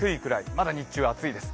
まだ日中は暑いです。